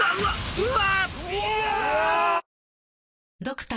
うわ！